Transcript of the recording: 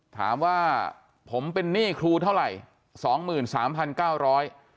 ถามว่าผมเป็นหนี้ครูเท่าไหร่สองหมื่นสามพันเก้าร้อย